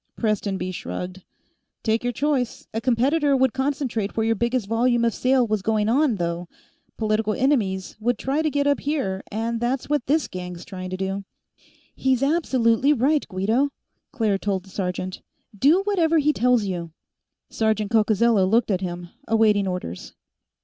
Prestonby shrugged. "Take your choice. A competitor would concentrate where your biggest volume of sale was going on, though; political enemies would try to get up here, and that's what this gang's trying to do." "He's absolutely right, Guido," Claire told the sergeant. "Do whatever he tells you." Sergeant Coccozello looked at him, awaiting orders.